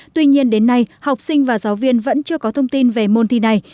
tuy nhiên đến nay học sinh và giáo viên vẫn chưa có thông tin về môn thi này